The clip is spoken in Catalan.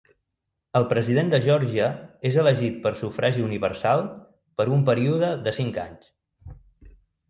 El president de Geòrgia és elegit per sufragi universal per un període de cinc anys.